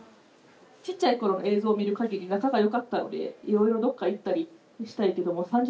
ちっちゃい頃映像を見るかぎり仲がよかったのでいろいろどっか行ったりしたいけども３０なったらしないですかね？